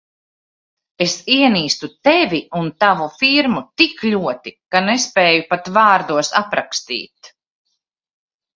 Es ienīstu Tevi un tavu firmu tik ļoti, ka nespēju pat vārdos aprakstīt.